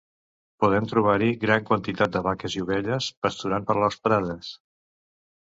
Podem trobar-hi gran quantitat de vaques i ovelles, pasturant per les prades.